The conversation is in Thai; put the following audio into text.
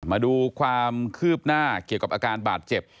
มาดูความคืบหน้าเกี่ยวกับอาการบาดเจ็บ